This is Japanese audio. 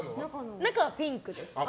中はピンクです。